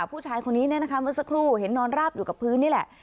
ผู้ชายคนนี้เนี่ยนะคะเมื่อสักครู่เห็นนอนราบอยู่กับพื้นนี่แหละ